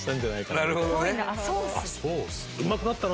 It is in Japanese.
なるほどね。